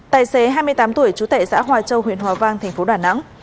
tài xế hai mươi tám tuổi chú tệ xã hòa châu huyện hòa vang tp đà nẵng